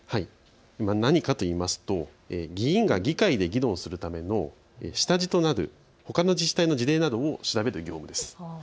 何かというと議員が議会で議論するための下地となるほかの自治体の事例などを調べる業務です。